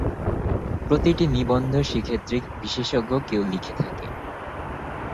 প্রতিটি নিবন্ধ সেক্ষেত্রে বিশেষজ্ঞ কেউ লিখে থাকে।